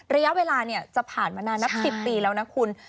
ระยะเวลาจะผ่านมานานนับ๑๐ปีแล้วนะคุณ